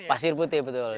pasir putih betul